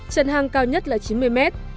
trần hang cao nhất là chín mươi mét